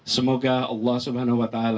semoga allah swt